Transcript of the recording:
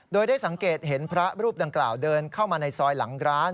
โดยได้สังเกตเห็นพระรูปดังกล่าวเดินเข้ามาในซอยหลังร้าน